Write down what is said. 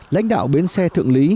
lãnh đạo bến xe tường lý